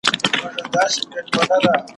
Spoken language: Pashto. شاعرانو پکښي ولوستل شعرونه